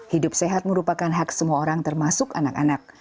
hidup sehat merupakan hak semua orang termasuk anak anak